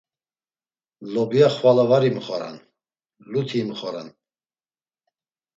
Lobya xvala var imxoran, luti imxoran.